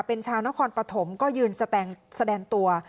เป็นชาวนครปฐมก็ยืนแสดงตัว